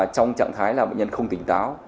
trong trạng thái là bệnh nhân không tỉnh táo